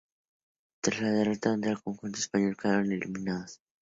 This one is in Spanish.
Tras la derrota ante el conjunto español, quedaron eliminados.